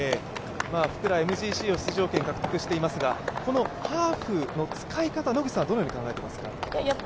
福良、ＭＧＣの出場権を獲得していますが、ハーフの使い方は野口さんどのように考えていますか？